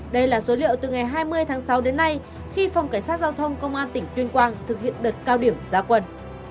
đây là số liệu từ ngày hai mươi tháng sáu đến nay khi phòng cảnh sát giao thông công an tỉnh tuyên quang thực hiện đợt cao điểm giá quần